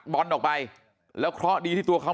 มันต้องการมาหาเรื่องมันจะมาแทงนะ